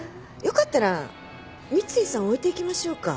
よかったら三井さん置いていきましょうか？